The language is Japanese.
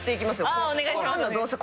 ああお願いします。